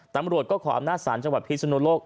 ตำรวจก็ขออำนาจศาลจังหวัดพิศนุโลก